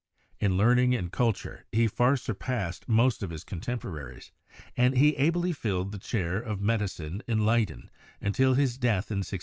In learning and culture he far surpassed most of his contemporaries, and he ably filled the chair of medicine in Leyden until his death in 1672.